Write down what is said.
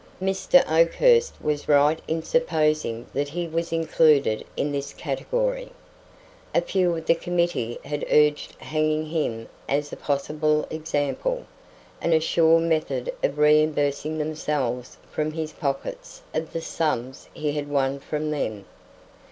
Mr. Oakhurst was right in supposing that he was included in this category. A few of the committee had urged hanging him as a possible example, and a sure method of reimbursing themselves from his pockets of the sums he had won from them.